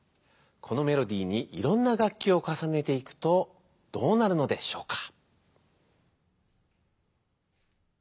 このメロディーにいろんな楽器をかさねていくとどうなるのでしょうか？